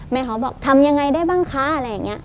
เขาบอกทำยังไงได้บ้างคะอะไรอย่างนี้